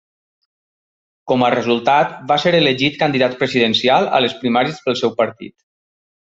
Com a resultat, va ser elegit candidat presidencial a les primàries pel seu partit.